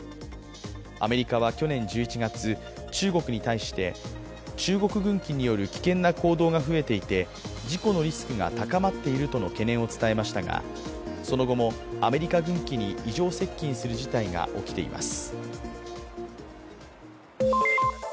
アメリカは去年１１月、中国に対して中国軍機による危険な行動が増えていて、事故のリスクが高まっているとの懸念を伝えましたが、その後もアメリカ軍機に異常接近する事態が起きています。